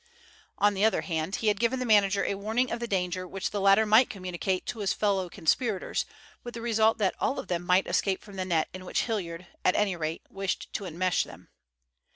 On the other hand he had given the manager a warning of the danger which the latter might communicate to his fellow conspirators, with the result that all of them might escape from the net in which Hilliard, at any rate, wished to enmesh them.